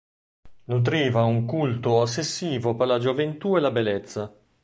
Nutriva un culto ossessivo per la gioventù e la bellezza.